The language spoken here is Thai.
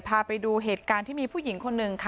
พาไปดูเหตุการณ์ที่มีผู้หญิงคนหนึ่งค่ะ